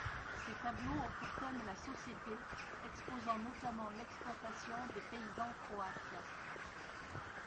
Ses tableaux ont pour thème la société, exposant notamment l'exploitation des paysans croates.